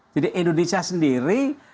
jadi indonesia sendiri